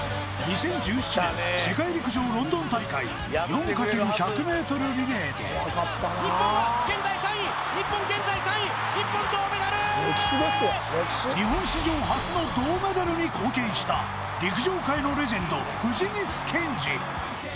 ２０１７年世界陸上ロンドン大会４×１００ｍリレーで日本史上初の銅メダルに貢献した陸上界のレジェンド藤光謙司